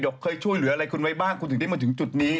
เคยช่วยเหลืออะไรคุณไว้บ้างคุณถึงได้มาถึงจุดนี้